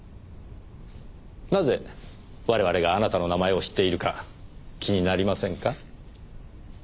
なぜ我々があなたの名前を知っているか気になりませんか？